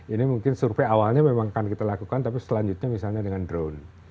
ini mungkin survei awalnya memang akan kita lakukan tapi selanjutnya misalnya dengan drone